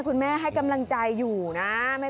คุณแม่ให้กำลังใจอยู่นะ